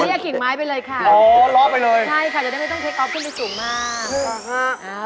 บินเหี้ยกิ่งไม้ไปเลยค่ะใช่ค่ะจะได้ไม่ต้องเทคอิ๊คอล์ฟขึ้นไปสูงมาก